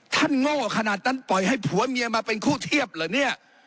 โง่ขนาดนั้นปล่อยให้ผัวเมียมาเป็นคู่เทียบเหรอเนี่ย